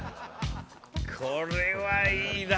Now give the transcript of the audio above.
これはいいな。